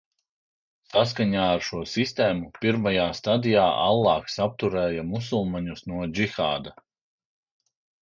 Saskaņā ar šo sistēmu, pirmajā stadijā Allāhs atturēja musulmaņus no džihāda.